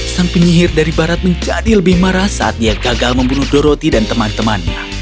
sang penyihir dari barat menjadi lebih marah saat dia gagal membunuh doroti dan teman temannya